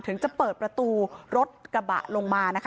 ถึงจะเปิดประตูรถกระบะลงมานะคะ